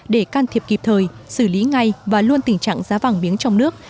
để can thiệp kịp thời xử lý ngay và luôn tình trạng giá vàng miếng trong nước